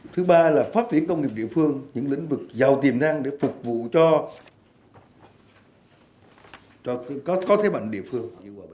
thứ ba là phát triển công nghiệp địa phương những lĩnh vực giàu tiềm năng để phục vụ cho có thế mạnh địa phương